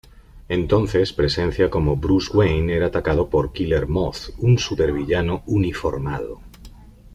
Entonces presencia como Bruce Wayne era atacado por Killer Moth, un supervillano uniformado.